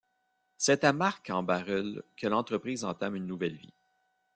C'est à Marcq-en-Barœul que l'entreprise entame une nouvelle vie.